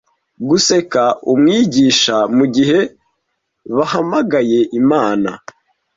guseka umwigisha mugihe bahamagaye imana